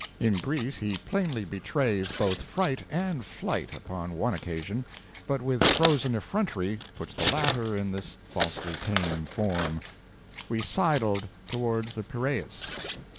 In Greece he plainly betrays both fright and flight upon one occasion, but with frozen effrontery puts the latter in this falsely tame form: "We sidled towards the Piraeus."